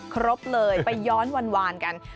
ครบเลยไปย้อนวานกัน